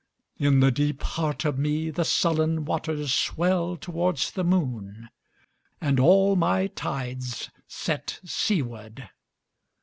In the deep heart of meThe sullen waters swell towards the moon, And all my tides set seaward.